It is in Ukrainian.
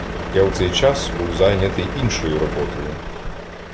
Я в цей час був зайнятий іншою "роботою".